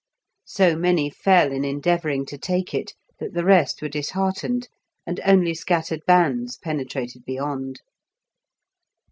So many fell in endeavouring to take it, that the rest were disheartened, and only scattered bands penetrated beyond.